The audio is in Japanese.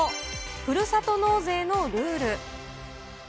ふるさと納税のルール。